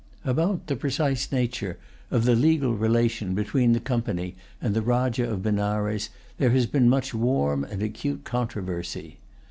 [Pg 180] About the precise nature of the legal relation between the Company and the Rajah of Benares there has been much warm and acute controversy.